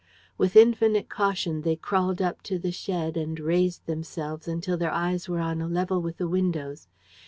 With infinite caution they crawled up to the shed and raised themselves until their eyes were on a level with the windows.